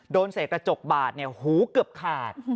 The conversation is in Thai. เสกกระจกบาดเนี่ยหูเกือบขาด